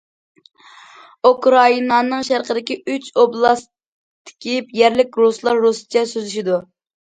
ئۇكرائىنانىڭ شەرقىدىكى ئۈچ ئوبلاستتىكى يەرلىك رۇسلار رۇسچە سۆزلىشىدۇ.